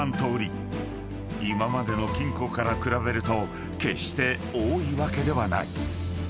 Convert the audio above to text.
［今までの金庫から比べると決して多いわけではない］